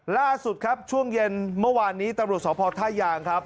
ล่าสุดครับช่วงเย็นเมื่อวานนี้ตำรวจสพท่ายางครับ